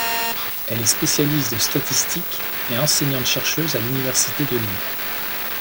Elle est spécialiste de statistique et enseignante-chercheuse à l'université de Lille.